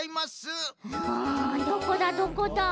んどこだどこだ？